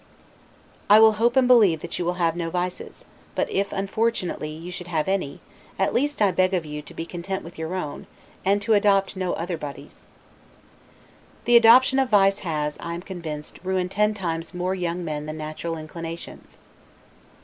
I will hope and believe that you will have no vices; but if, unfortunately, you should have any, at least I beg of you to be content with your own, and to adopt no other body's. The adoption of vice has, I am convinced, ruined ten times more young men than natural inclinations.